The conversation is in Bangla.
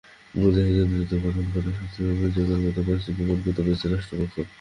মুজাহিদের বিরুদ্ধে গঠন করা সাতটি অভিযোগের মধ্যে পাঁচটি প্রমাণ করতে পেরেছে রাষ্ট্রপক্ষ।